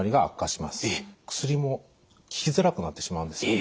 薬も効きづらくなってしまうんですね。